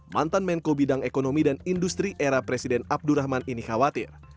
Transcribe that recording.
mantan menko bidang ekonomi dan industri era presiden abdurrahman ini khawatir